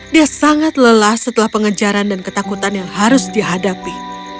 dia sangat lelah setelah pengejaran dan ketakutan yang harus dihadapi